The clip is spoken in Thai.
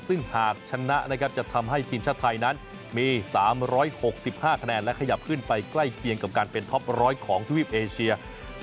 ซึ่งหากชนะนะครับจะทำให้ทีมชาติไทยนั้นมี๓๖๕คะแนนและขยับขึ้นไปใกล้เคียงกับการเป็นท็อป๑๐๐ของทวีปเอเชีย